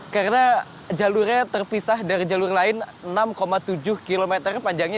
karena jalurnya terpisah dari jalur lain enam tujuh km panjangnya